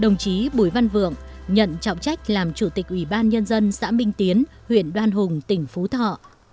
đồng chí bùi văn vượng nhận trọng trách làm chủ tịch ủy ban nhân dân xã minh tiến huyện đoan hùng tỉnh phú thọ